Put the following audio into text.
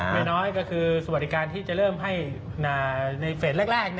ไม่น้อยก็คือสวัสดิการที่จะเริ่มให้ในเฟสแรก